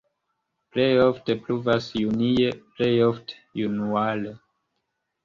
Plej ofte pluvas junie, plej malofte januare.